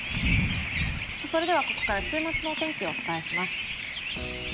それではここから週末のお天気をお伝えします。